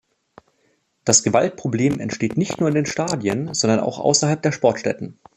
Das Gewaltproblem entsteht nicht nur in den Stadien, sondern auch außerhalb der Sportstätten.